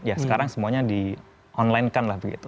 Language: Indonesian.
ya sekarang semuanya di online kan lah begitu